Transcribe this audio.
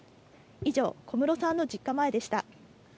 以上、小室さんの実家前でした。